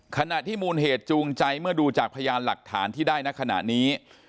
ขณะที่มูลเหตุจูงใจเมื่อดูจากพยานหลักฐานที่ได้ในขณะนี้